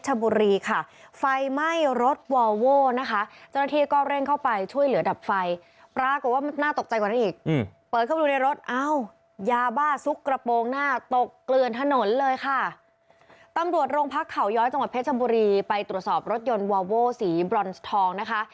ตำรวจโรงพักข่าวย้อยจังหวัดเพชรชมบุรีไปตรวจสอบรถยนต์วาโว้สีบรอนซ์ทองนะคะ